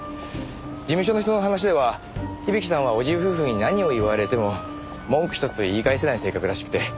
事務所の人の話では響さんは叔父夫婦に何を言われても文句一つ言い返せない性格らしくて。